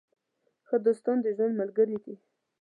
ښه دوستان د ژوند ملګري دي.